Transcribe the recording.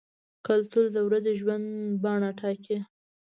کلتور د ورځني ژوند بڼه ټاکي.